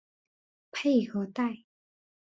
佩和代。